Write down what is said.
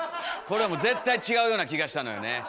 これはもう絶対違うような気がしたのよね。